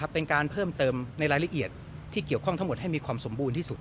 เป็นการเพิ่มเติมในรายละเอียดที่เกี่ยวข้องทั้งหมดให้มีความสมบูรณ์ที่สุด